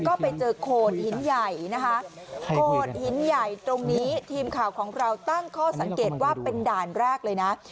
ก็ไปเจอโขดหินใหญ่นะคะโขดหินใหญ่ตรงนี้ทีมข่าวของเราตั้งข้อสังเกตว่าเป็นด่านแรกเลยนะ